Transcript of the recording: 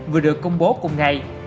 vừa được công bố cùng ngày